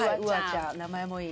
名前もいい。